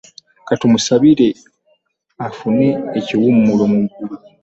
Ka tumusabire afune ekiwummulo mu ggulu.